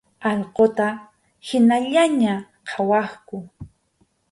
Allquta hinallaña qhawaqku.